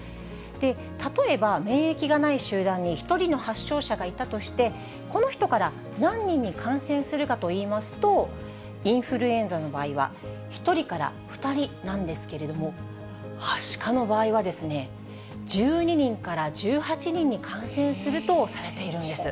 例えば免疫がない集団に、１人の発症者がいたとして、この人から何人に感染するかといいますと、インフルエンザの場合は、１人から２人なんですけれども、はしかの場合はですね、１２人から１８人に感染するとされているんです。